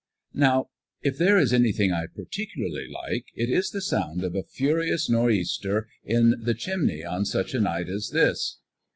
Now if there is anything I particularly like, it is the sound of a furious northeaster in the chimney on such a night as this.